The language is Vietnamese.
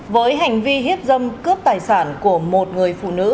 với hành vi hiếp dâm cướp tài sản của một người phụ nữ